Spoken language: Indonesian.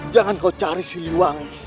jangan kau cari si liwangi